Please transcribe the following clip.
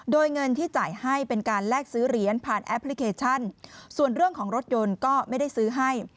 โดยเงินที่จ่ายให้เป็นการแลกซื้อเหรียญผ่านแอปพลิเคชันส่วนเรื่องของรถยนต์ก็ไม่ได้ซื้อให้